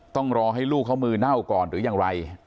ต้องรอให้ลูกเขามือเน่าก่อนหรือยังไร